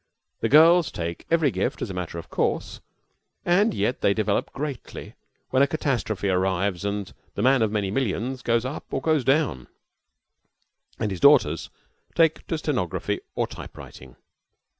The girls take every gift as a matter of course, and yet they develop greatly when a catastrophe arrives and the man of many millions goes up or goes down, and his daughters take to stenography or typewriting.